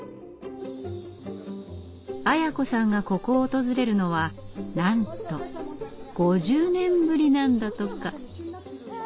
アヤ子さんがここを訪れるのはなんと５０年ぶりなんだとか。